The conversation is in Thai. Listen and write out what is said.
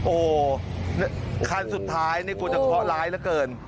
โอ้วคันสุดท้ายกลัวจะเคาะล้ายละเกิน